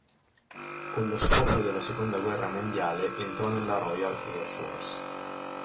Con lo scoppio della seconda guerra mondiale, entrò nella Royal Air Force.